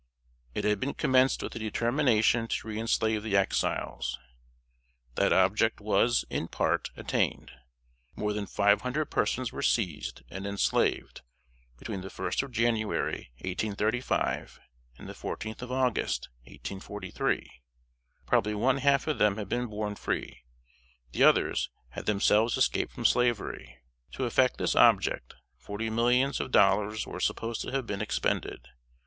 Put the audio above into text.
It had been commenced with a determination to reënslave the Exiles. That object was, in part, attained. More than five hundred persons were seized and enslaved, between the first of January, 1835, and the fourteenth of August, 1843. Probably one half of them had been born free; the others had themselves escaped from slavery. To effect this object, forty millions of dollars were supposed to have been expended.